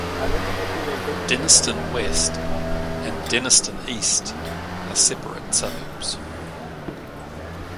Denistone West and Denistone East are separate suburbs.